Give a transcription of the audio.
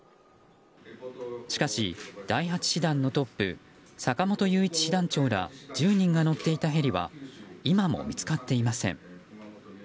しかし、第８師団のトップ坂本雄一師団長ら１０人が乗っていたヘリは今も見つかっていません。